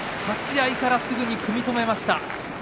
立ち合いからすぐに組み止めました。